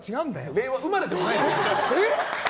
令和生まれでもないですけど。